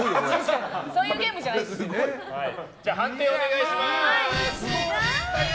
判定をお願いします。